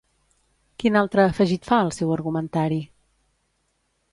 Quin altre afegit fa al seu argumentari?